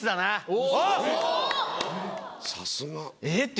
さすが。